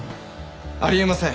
あり得ません。